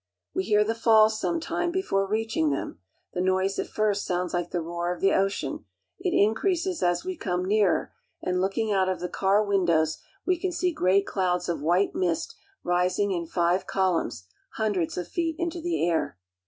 We hear the falls some time before reaching them. The I noise at first sounds like the roar of the ocean. It increases ( as we come nearer ; and looking out of the car windows we 1 see great clouds of white mist rising in five columns^ '] pundreds of feet into the air.